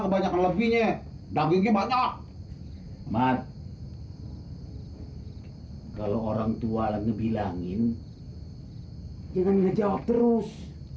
makan lebihnya dagingnya banyak mat hai kalau orangtua ngebilangin jangan ngejawab terus